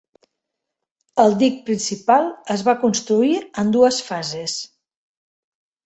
El dic principal es va construir en dues fases.